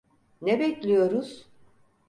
Ne bekliyoruz?